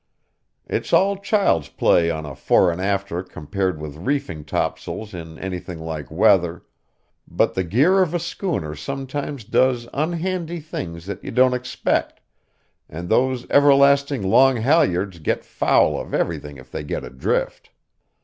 It's all child's play on a fore and after compared with reefing topsails in anything like weather, but the gear of a schooner sometimes does unhandy things that you don't expect, and those everlasting long halliards get foul of everything if they get adrift.